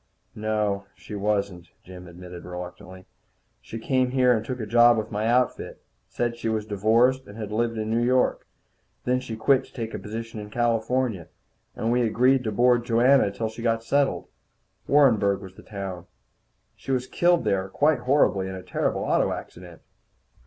"No, she wasn't," Jim admitted reluctantly. "She came here and took a job with my outfit. Said she was divorced, and had lived in New York. Then she quit to take a position in California, and we agreed to board Joanna until she got settled. Warrenburg was the town. She was killed there quite horribly, in a terrible auto accident."